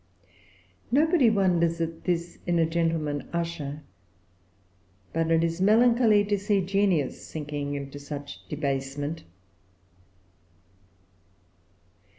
Nobody wonders at this in a gentleman usher; but it is melancholy to see genius sinking into such debasement.